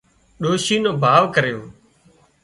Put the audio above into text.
ڏوشي نو ڀاوَ ڪريو